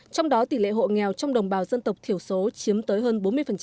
trong đó tỷ lệ hộ nghèo trong đồng bào dân tộc thiểu số chiếm tới hơn bốn mươi